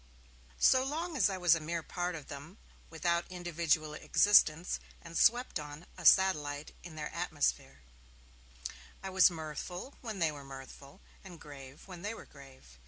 So long as I was a mere part of them, without individual existence, and swept on, a satellite, in their atmosphere, I was mirthful when they were mirthful, and grave when they were grave.